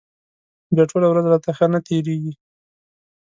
بیا ټوله ورځ راته ښه نه تېرېږي.